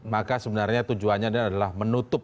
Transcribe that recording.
maka sebenarnya tujuannya adalah menutup